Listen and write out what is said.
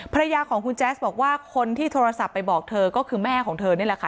ภรรยาของคุณแจ๊สบอกว่าคนที่โทรศัพท์ไปบอกเธอก็คือแม่ของเธอนี่แหละค่ะ